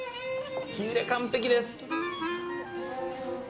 火入れ完璧です！